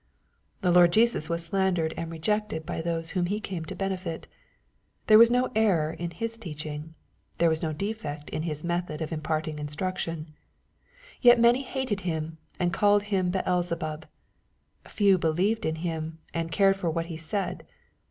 *' The Lord Jesus was slandered and rejected by those whom he came to benefit. There was no error in His teaching. There was no defect in His method of impart ing instruction. Yet many hated Him, and « called Him Beelzebub." Few believed Him, and cared for what He said.